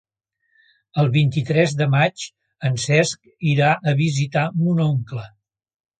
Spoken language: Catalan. El vint-i-tres de maig en Cesc irà a visitar mon oncle.